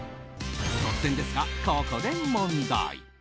突然ですが、ここで問題。